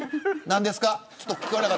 何ですか。